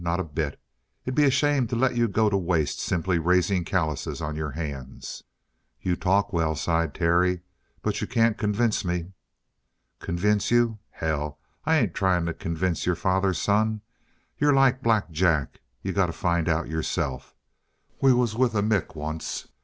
Not a bit. It'd be a shame to let you go to waste simply raising calluses on your hands." "You talk well," sighed Terry, "but you can't convince me." "Convince you? Hell, I ain't trying to convince your father's son. You're like Black Jack. You got to find out yourself. We was with a Mick, once.